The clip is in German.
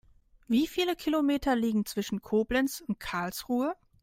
Wie viele Kilometer liegen zwischen Koblenz und Karlsruhe?